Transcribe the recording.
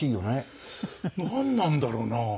なんなんだろうな？